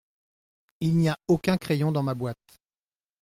Il n’y a aucun crayon dans ma boîte.